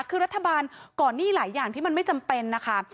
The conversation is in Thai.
คือรัฐบาลก่อนหนี้หลายอย่างที่มันไม่จำเป็นนะคะ